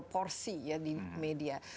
porsi ya di media